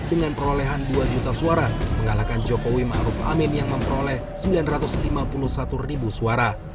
dengan perolehan dua juta suara mengalahkan jokowi ⁇ maruf ⁇ amin yang memperoleh sembilan ratus lima puluh satu ribu suara